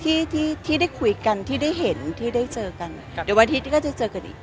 ที่ที่ได้คุยกันที่ได้เห็นที่ได้เจอกันครับเดี๋ยววันอาทิตย์ก็จะเจอกันอีก